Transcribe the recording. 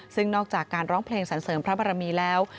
ซึ่งนอกจากการร้องเพลงสรรเสริมพระบรมีแล้ว